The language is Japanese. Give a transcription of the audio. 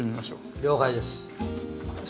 了解です。